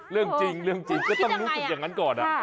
เรื่องจริงเรื่องจริงก็ต้องรู้สึกอย่างนั้นก่อน